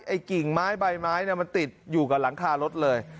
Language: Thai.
กิ่งไม้ใบไม้มันติดอยู่กับหลังคารถเลย